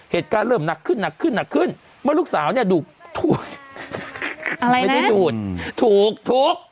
เหตุการณ์เริ่มหนักขึ้นหนักขึ้นหนักขึ้นเมื่อลูกสาวเนี่ยดูดถูกอะไรไม่ได้ดูดถูกถูก